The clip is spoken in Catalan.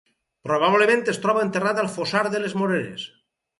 Probablement es troba enterrat al Fossar de les Moreres.